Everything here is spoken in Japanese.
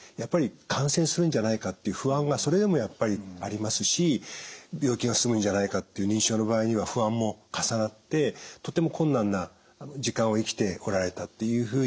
感染するんじゃないかっていう不安がそれでもやっぱりありますし病気が進むんじゃないかっていう認知症の場合には不安も重なってとても困難な時間を生きてこられたっていうふうに思います。